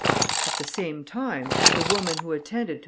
At the same time, the woman who attended to M.